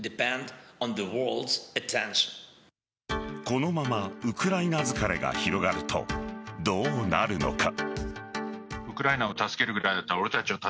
このままウクライナ疲れが広がるとどうなるのか。